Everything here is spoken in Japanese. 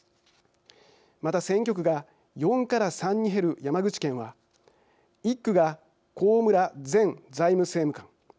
また、選挙区が４から３に減る山口県は１区が高村前財務政務官。